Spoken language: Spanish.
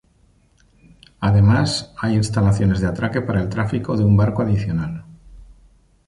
Además, hay instalaciones de atraque para el tráfico de un barco adicional.